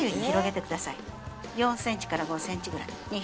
４ｃｍから５ｃｍぐらいに。